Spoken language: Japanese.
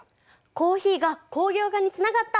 コーヒーが工業化につながった！